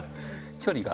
距離が。